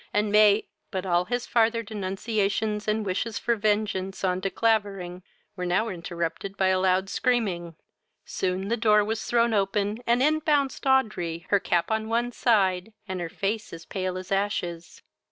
and may " But all his farther denunciations and wishes for vengeance on De Clavering were now interrupted by a loud screaming. Soon the door was thrown open, and in bounced Audrey, her cap on one side, and her face as pale as ashes.